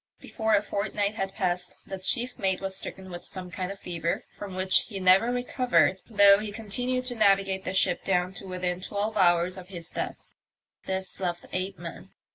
Before a fortnight had passed the chief mate was stricken with some kind of fever, from which he never recovered, though he continued to navigate the ship down to within twelve hours of his death. This left eight men.